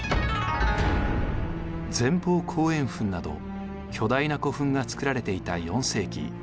前方後円墳など巨大な古墳が造られていた４世紀。